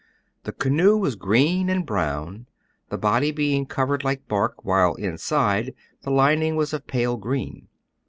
The canoe was green and brown, the body being colored like bark, while inside, the lining was of pale green.